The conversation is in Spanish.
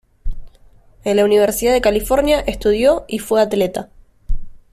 En la Universidad de California estudió y fue atleta.